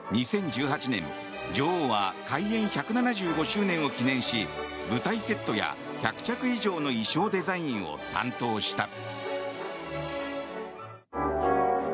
２０１８年女王は開園１７５周年を記念し舞台セットや１００着以上の衣装デザインを担当した。